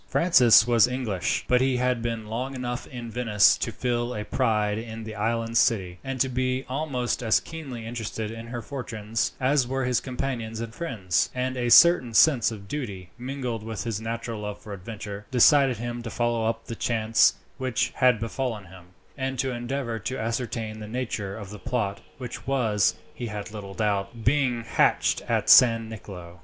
Francis was English, but he had been long enough in Venice to feel a pride in the island city, and to be almost as keenly interested in her fortunes as were his companions and friends; and a certain sense of duty, mingled with his natural love of adventure, decided him to follow up the chance which had befallen him, and to endeavour to ascertain the nature of the plot which was, he had little doubt, being hatched at San Nicolo.